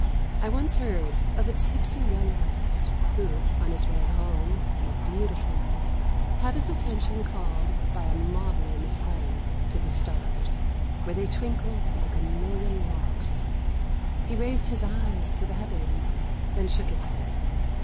I once heard of a tipsy young artist who, on his way home on a beautiful night, had his attention called by a maudlin friend to the stars, where they twinkled like a million larks. He raised his eyes to the heavens, then shook his head.